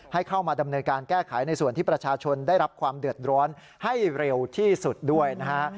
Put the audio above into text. ให้เข้ามาดำเนินการแก้ไขในส่วนที่ประชาชนได้รับความเดือดร้อนให้เร็วที่สุดด้วยนะฮะ